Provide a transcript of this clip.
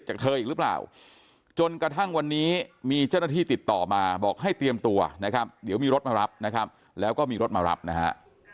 เธออีกหรือเปล่าจนกระทั่งวันนี้มีเจ้าหน้าที่ติดต่อมาบอกให้เตรียมตัวนะครับเดี๋ยวมีรถมารับนะครับแล้วก็มีรถมารับนะฮะ